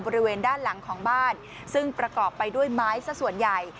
บริเวณด้านหลังของบ้านซึ่งประกอบไปด้วยไม้สักส่วนใหญ่